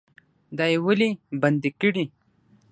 دا یې ولې بندي کړي؟